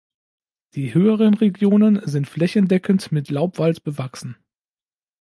Die höheren Regionen sind flächendeckend mit Laubwald bewachsen.